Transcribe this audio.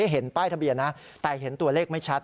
เห็นป้ายทะเบียนนะแต่เห็นตัวเลขไม่ชัด